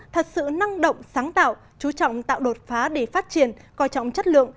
thật sự năng động sáng tạo chú trọng tạo đột phá để phát triển coi trọng chất lượng